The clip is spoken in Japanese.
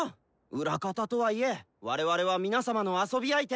裏方とはいえ我々は皆様の遊び相手！